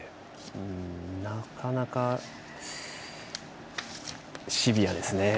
なかなか、シビアですね。